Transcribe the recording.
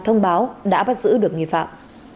thông báo đã bắt giữ được nghi phạm